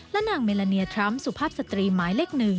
และนางเมลาเนียทรัมป์สุภาพสตรีหมายเลข๑